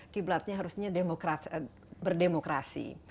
kiblatnya harusnya berdemokrasi